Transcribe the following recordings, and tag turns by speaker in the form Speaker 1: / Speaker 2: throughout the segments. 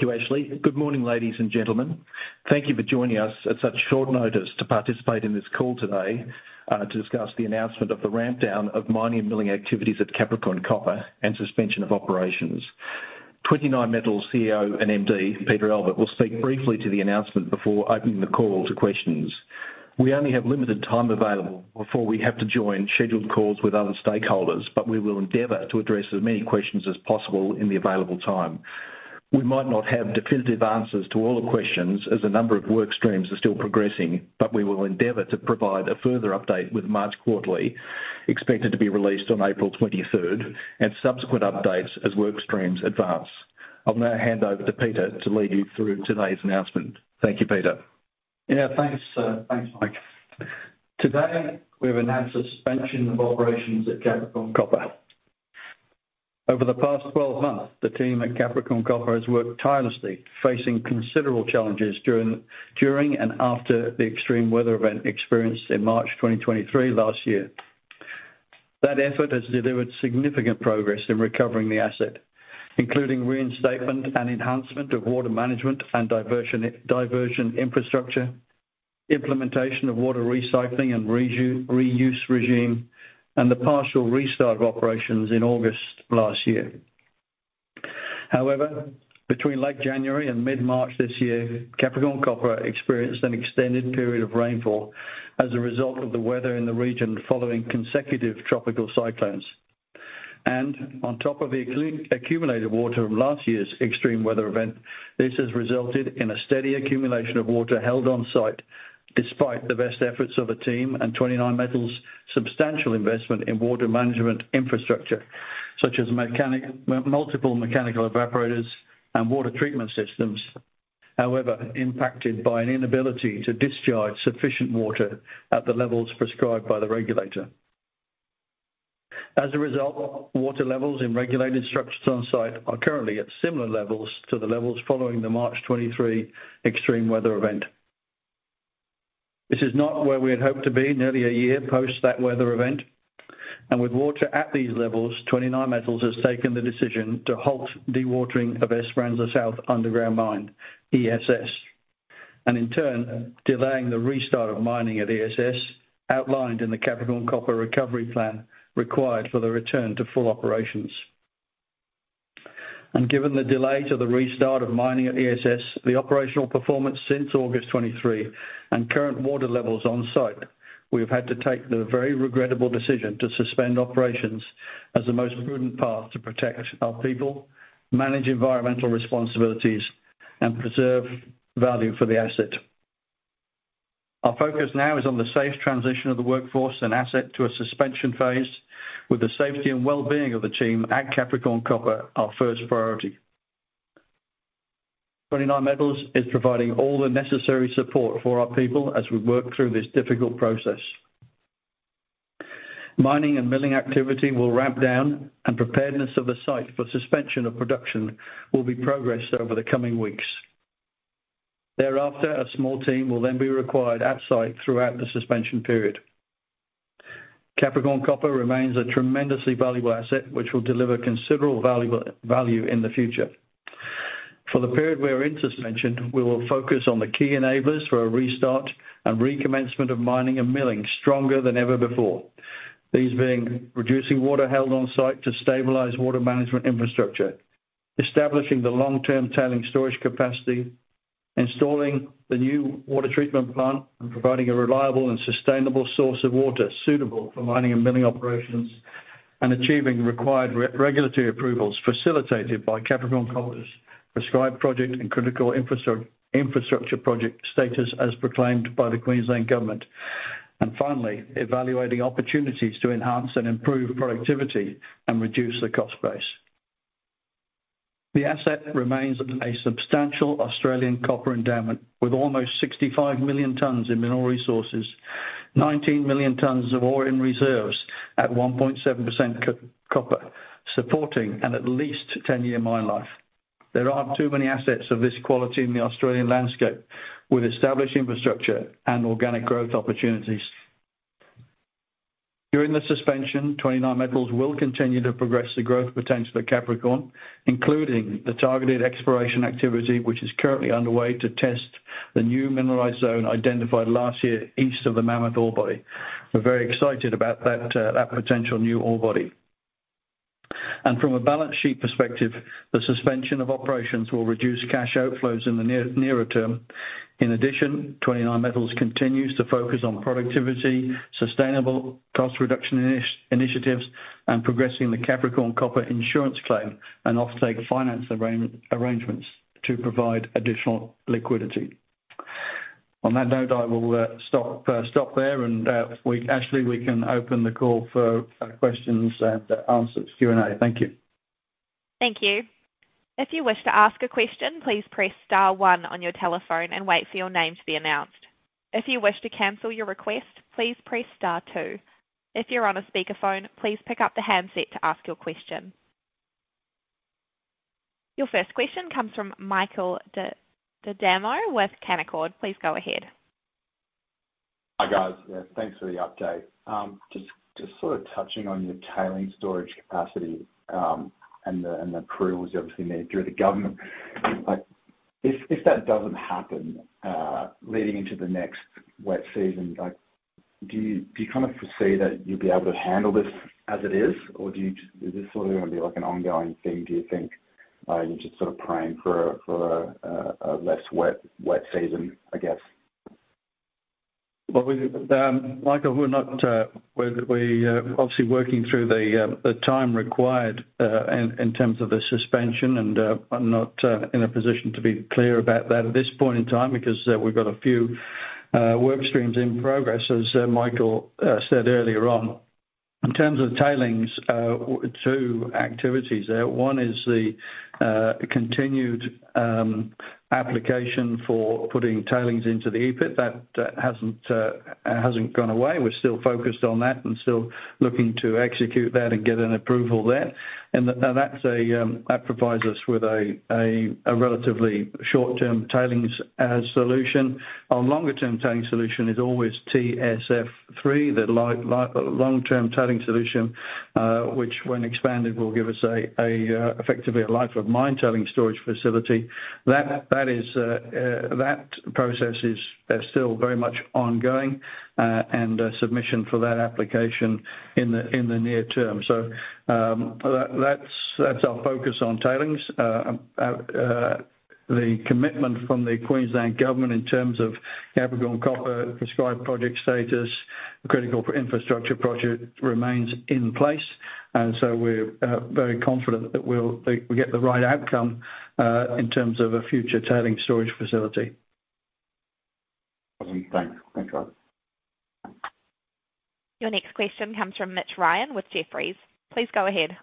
Speaker 1: Thank you, Ashley. Good morning, ladies and gentlemen. Thank you for joining us at such short notice to participate in this call today, to discuss the announcement of the ramp down of mining and milling activities at Capricorn Copper and suspension of operations. 29Metals CEO and MD, Peter Albert, will speak briefly to the announcement before opening the call to questions. We only have limited time available before we have to join scheduled calls with other stakeholders, but we will endeavor to address as many questions as possible in the available time. We might not have definitive answers to all the questions, as a number of work streams are still progressing, but we will endeavor to provide a further update with March quarterly, expected to be released on April 23rd, and subsequent updates as work streams advance. I'll now hand over to Peter to lead you through today's announcement. Thank you, Peter.
Speaker 2: Yeah, thanks, thanks, Mike. Today, we've announced the suspension of operations at Capricorn Copper. Over the past 12 months, the team at Capricorn Copper has worked tirelessly, facing considerable challenges during and after the extreme weather event experienced in March 2023 last year. That effort has delivered significant progress in recovering the asset, including reinstatement and enhancement of water management and diversion infrastructure, implementation of water recycling and reuse regime, and the partial restart of operations in August last year. However, between late January and mid-March this year, Capricorn Copper experienced an extended period of rainfall as a result of the weather in the region following consecutive tropical cyclones. On top of the accumulated water of last year's extreme weather event, this has resulted in a steady accumulation of water held on site, despite the best efforts of the team and 29Metals' substantial investment in water management infrastructure, such as multiple mechanical evaporators and water treatment systems. However, impacted by an inability to discharge sufficient water at the levels prescribed by the regulator. As a result, water levels in regulated structures on site are currently at similar levels to the levels following the March 2023 extreme weather event. This is not where we had hoped to be nearly a year post that weather event, and with water at these levels, 29Metals has taken the decision to halt dewatering of Esperanza South Underground Mine, ESS, and in turn, delaying the restart of mining at ESS, outlined in the Capricorn Copper recovery plan, required for the return to full operations. Given the delay to the restart of mining at ESS, the operational performance since August 2023, and current water levels on site, we've had to take the very regrettable decision to suspend operations as the most prudent path to protect our people, manage environmental responsibilities, and preserve value for the asset. Our focus now is on the safe transition of the workforce and asset to a suspension phase, with the safety and well-being of the team at Capricorn Copper, our first priority. 29Metals is providing all the necessary support for our people as we work through this difficult process. Mining and milling activity will ramp down, and preparedness of the site for suspension of production will be progressed over the coming weeks. Thereafter, a small team will then be required at site throughout the suspension period. Capricorn Copper remains a tremendously valuable asset, which will deliver considerable value in the future. For the period we're in suspension, we will focus on the key enablers for a restart and recommencement of mining and milling, stronger than ever before. These being: reducing water held on site to stabilize water management infrastructure, establishing the long-term tailings storage capacity, installing the new water treatment plant, and providing a reliable and sustainable source of water suitable for mining and milling operations, and achieving required regulatory approvals facilitated by Capricorn Copper's Prescribed Project and Critical Infrastructure Project status, as proclaimed by the Queensland Government. And finally, evaluating opportunities to enhance and improve productivity and reduce the cost base. The asset remains a substantial Australian copper endowment, with almost 65 million tons in mineral resources, 19 million tons of ore in reserves at 1.7% copper, supporting an at least 10-year mine life. There aren't too many assets of this quality in the Australian landscape, with established infrastructure and organic growth opportunities. During the suspension, 29Metals will continue to progress the growth potential of Capricorn, including the targeted exploration activity, which is currently underway to test the new mineralized zone identified last year east of the Mammoth ore body. We're very excited about that, that potential new ore body. And from a balance sheet perspective, the suspension of operations will reduce cash outflows in the near, nearer term. In addition, 29Metals continues to focus on productivity, sustainable cost reduction initiatives, and progressing the Capricorn Copper insurance claim and offtake finance arrangements to provide additional liquidity. On that note, I will stop there, and, Ashley, we can open the call for questions to answer to Q&A. Thank you.
Speaker 1: Thank you. If you wish to ask a question, please press star one on your telephone and wait for your name to be announced. If you wish to cancel your request, please press star two. If you're on a speakerphone, please pick up the handset to ask your question. Your first question comes from Michael D'Adamo with Canaccord. Please go ahead.
Speaker 3: Hi, guys. Yeah, thanks for the update. Just sort of touching on your tailings storage capacity, and the approvals you obviously need through the government. Like, if that doesn't happen leading into the next wet season, like, do you kind of foresee that you'll be able to handle this as it is? Or is this sort of gonna be, like, an ongoing thing, do you think? You're just sort of praying for a less wet season, I guess?
Speaker 2: Well, we, Michael, we're not obviously working through the time required in terms of the suspension, and I'm not in a position to be clear about that at this point in time, because we've got a few work streams in progress, as Michael said earlier on. In terms of tailings, two activities there. One is the continued application for putting tailings into the E-Pit. That hasn't gone away. We're still focused on that, and still looking to execute that and get an approval there. And now, that provides us with a relatively short-term tailings solution. Our longer-term tailings solution is always TSF3, the long-term tailings solution, which when expanded will give us a, effectively a life of mine tailings storage facility. That is, that process is still very much ongoing, and a submission for that application in the near term. So, that's our focus on tailings. The commitment from the Queensland Government in terms of Capricorn Copper Prescribed Project status, Critical Infrastructure Project remains in place. And so we're very confident that we'll get the right outcome in terms of a future tailings storage facility.
Speaker 3: Awesome. Thanks. Thanks, guys.
Speaker 4: Your next question comes from Mitch Ryan with Jefferies. Please go ahead.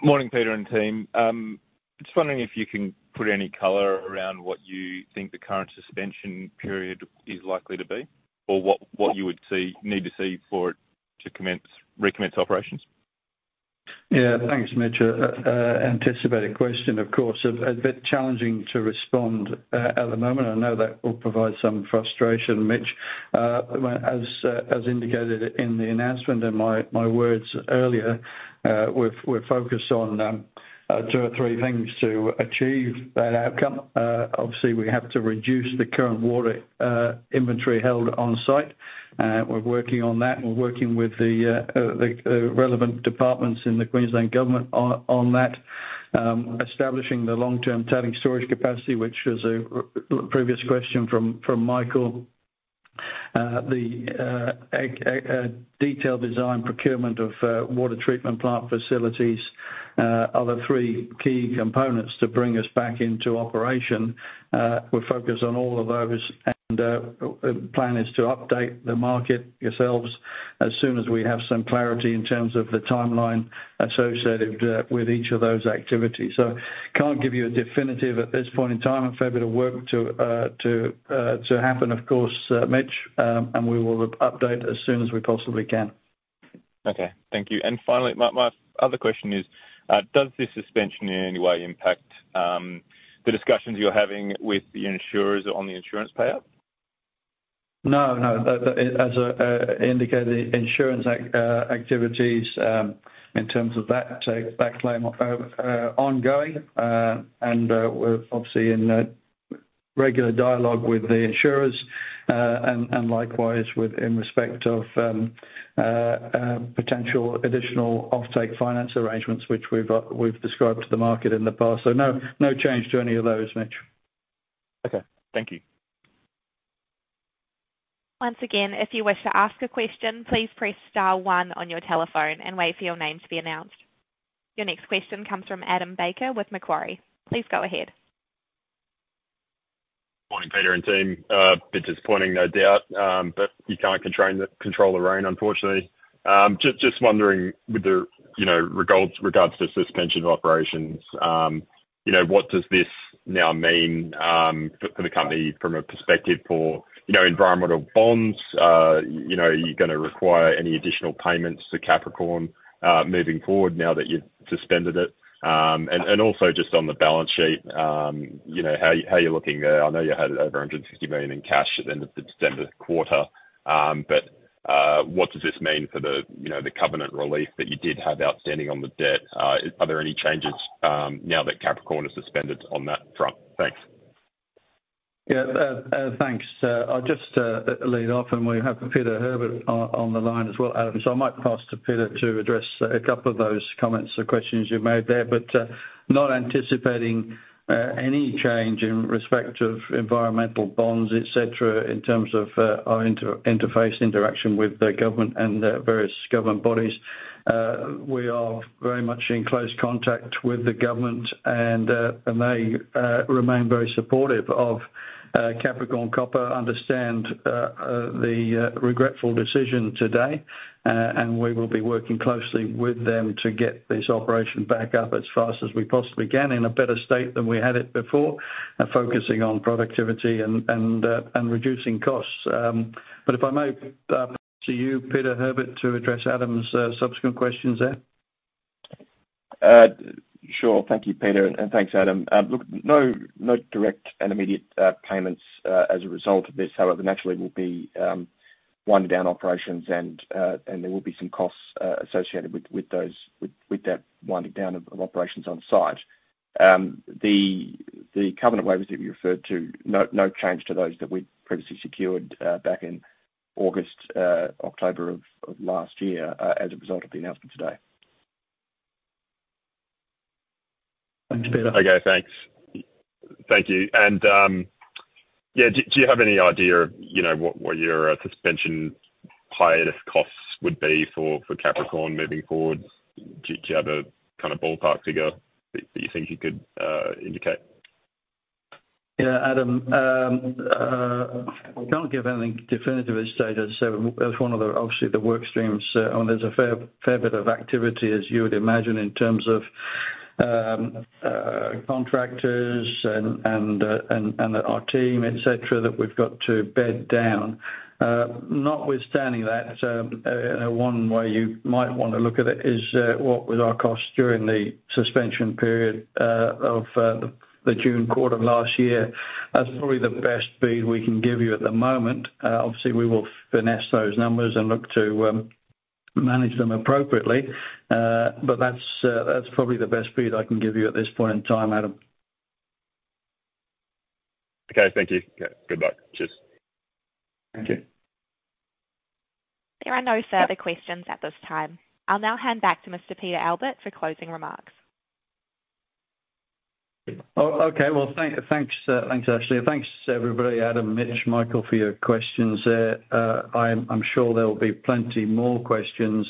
Speaker 5: Morning, Peter and team. Just wondering if you can put any color around what you think the current suspension period is likely to be, or what you would need to see for it to commence, recommence operations?
Speaker 2: Yeah. Thanks, Mitch. Anticipated question, of course. A bit challenging to respond at the moment. I know that will provide some frustration, Mitch. Well, as indicated in the announcement and my words earlier, we're focused on two or three things to achieve that outcome. Obviously, we have to reduce the current water inventory held on site. We're working on that. We're working with the relevant departments in the Queensland Government on that. Establishing the long-term tailings storage capacity, which was a previous question from Michael. The detailed design procurement of water treatment plant facilities are the three key components to bring us back into operation. We're focused on all of those, and the plan is to update the market, yourselves, as soon as we have some clarity in terms of the timeline associated with each of those activities. So can't give you a definitive at this point in time. A fair bit of work to happen, of course, Mitch, and we will update as soon as we possibly can.
Speaker 5: Okay, thank you. And finally, my, my other question is, does this suspension in any way impact the discussions you're having with the insurers on the insurance payout?
Speaker 2: No, no. As I indicated, the insurance activities in terms of that claim are ongoing. And we're obviously in regular dialogue with the insurers, and likewise with, in respect of, potential additional offtake finance arrangements, which we've described to the market in the past. So no, no change to any of those, Mitch.
Speaker 5: Okay, thank you.
Speaker 4: Once again, if you wish to ask a question, please press star one on your telephone and wait for your name to be announced. Your next question comes from Adam Baker with Macquarie. Please go ahead.
Speaker 6: Morning, Peter and team. Bit disappointing, no doubt, but you can't control the rain, unfortunately. Just wondering, with the, you know, regards to suspension of operations, you know, what does this now mean for the company from a perspective for, you know, environmental bonds? You know, are you gonna require any additional payments to Capricorn, moving forward now that you've suspended it? And also just on the balance sheet, you know, how you're looking there? I know you had over 150 million in cash at the end of the December quarter. But, what does this mean for the, you know, the covenant relief that you did have outstanding on the debt? Are there any changes, now that Capricorn is suspended on that front? Thanks.
Speaker 2: Yeah. Thanks. I'll just lead off, and we have Peter Herbert on the line as well, Adam, so I might pass to Peter to address a couple of those comments or questions you made there. But not anticipating any change in respect of environmental bonds, et cetera, in terms of our interaction with the government and the various government bodies. We are very much in close contact with the government, and they remain very supportive of Capricorn Copper, understand the regretful decision today. And we will be working closely with them to get this operation back up as fast as we possibly can, in a better state than we had it before, and focusing on productivity and reducing costs. If I may, turn to you, Peter Herbert, to address Adam's subsequent questions there?
Speaker 7: Sure. Thank you, Peter, and thanks, Adam. Look, no, no direct and immediate payments as a result of this. However, naturally, we'll be winding down operations and there will be some costs associated with, with those, with, with that winding down of operations on site. The covenant waivers that you referred to, no change to those that we'd previously secured back in August, October of last year, as a result of the announcement today.
Speaker 2: Thank you, Peter.
Speaker 6: Okay, thanks. Thank you. And, yeah, do you have any idea of, you know, what your suspension hiatus costs would be for Capricorn moving forward? Do you have a kind of ballpark figure that you think you could indicate?
Speaker 2: Yeah, Adam, I can't give anything definitive at this stage, as one of the work streams. Obviously, there's a fair bit of activity, as you would imagine, in terms of contractors and our team, et cetera, that we've got to bed down. Notwithstanding that, one way you might want to look at it is what was our cost during the suspension period of the June quarter of last year. That's probably the best feed we can give you at the moment. Obviously, we will finesse those numbers and look to manage them appropriately. But that's probably the best feed I can give you at this point in time, Adam.
Speaker 6: Okay, thank you. Okay, good luck. Cheers.
Speaker 2: Thank you.
Speaker 4: There are no further questions at this time. I'll now hand back to Mr. Peter Albert for closing remarks.
Speaker 2: Oh, okay. Well, thanks. Thanks, Ashley. Thanks, everybody, Adam, Mitch, Michael, for your questions there. I'm sure there will be plenty more questions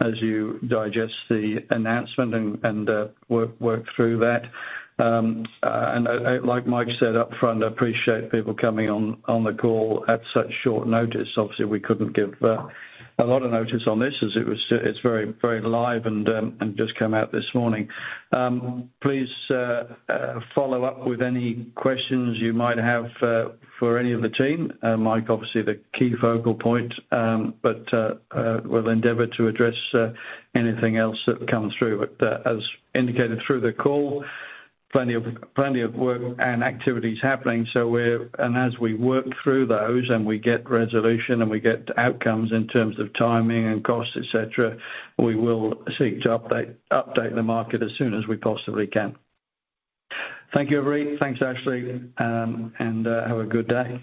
Speaker 2: as you digest the announcement and work through that. And like Mike said up front, I appreciate people coming on the call at such short notice. Obviously, we couldn't give a lot of notice on this, as it was. It's very, very live and just came out this morning. Please follow up with any questions you might have for any of the team. Mike, obviously the key focal point, but we'll endeavor to address anything else that comes through. But as indicated through the call, plenty of work and activities happening. So we're... As we work through those, and we get resolution, and we get outcomes in terms of timing and costs, et cetera, we will seek to update, update the market as soon as we possibly can. Thank you, everybody. Thanks, Ashley, and have a good day.